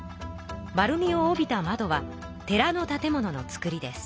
丸みを帯びたまどは寺の建物の作りです。